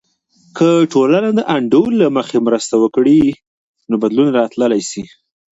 که ټولنه د انډول له مخې مرسته وکړي، نو بدلون راتللی سي.